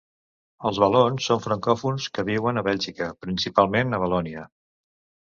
Els valons són francòfons que viuen a Bèlgica, principalment a Valònia.